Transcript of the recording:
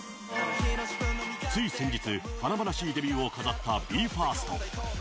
つい先日華々しいデビューを飾ったＢＥ：ＦＩＲＳＴ。